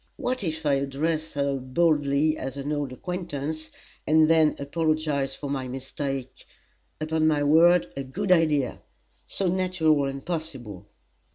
What if I address her boldly as an old acquaintance, and then apologize for my mistake? Upon my word, a good idea! So natural and possible!"